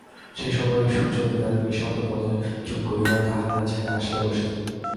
সেই সময়ে সুচরিতা নিঃশব্দপদে চুপ করিয়া তাঁহার কাছে আসিয়া বসিত।